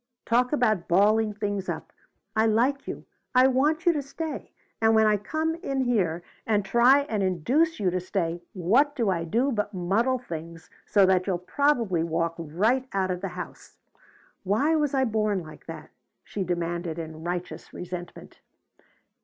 "Talk about balling things up! I like you; I want you to stay; and when I come in here and try and induce you to stay what do I do but muddle things so that you'll probably walk right out of the house! Why was I born like that?" she demanded in righteous resentment.